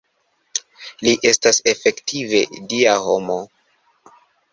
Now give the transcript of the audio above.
Li estas efektive Dia homo.